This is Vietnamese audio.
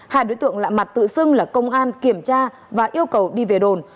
hai đối tượng lạ mặt tự xưng là công an kiểm tra và yêu cầu đi về đồn